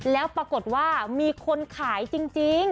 แล้วปรากฏว่ามีคนขายจริง